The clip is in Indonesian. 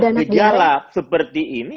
kalau ada gejala seperti ini